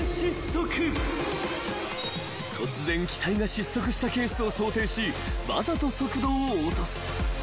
［突然機体が失速したケースを想定しわざと速度を落とす］